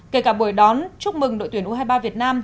kể cả buổi đón chúc mừng đội tuyển u hai mươi ba việt nam